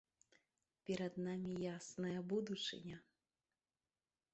Перад намі ясная будучыня!